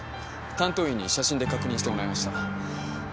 担当医に写真で確認してもらいました。